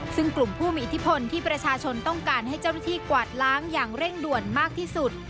ซึ่งกลุ่มผู้มีอิทธิพลที่ประชาชนต้องการให้เจ้าหน้าที่กวาดล้างอย่างเร่งด่วนมากที่สุด